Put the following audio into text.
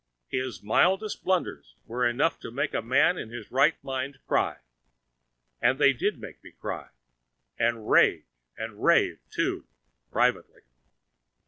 His mildest blunders were enough to make a man in his right mind cry; and they did make me cry—and rage and rave too, privately.